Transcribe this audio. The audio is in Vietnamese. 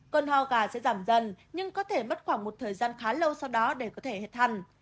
cơn ho gà sẽ giảm dần nhưng có thể mất khoảng một thời gian khá lâu sau đó để có thể hẹt hẳn